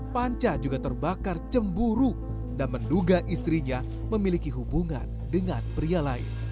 panca juga terbakar cemburu dan menduga istrinya memiliki hubungan dengan pria lain